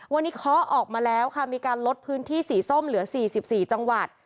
วันนี้เคาะออกมาแล้วค่ะมีการลดพื้นที่สีส้มเหลือ๔๔จังหวัด